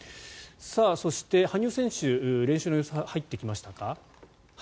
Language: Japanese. そして、羽生選手練習の様子が入ってきましたか？